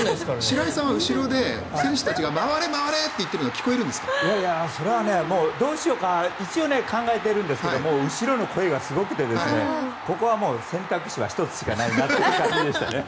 白井さんは後ろで選手たちが回れ回れ！って言っているのはどうしようかなって一応考えてるんですが後ろの声がすごくてここは選択肢は１つしかないという感じでしたね。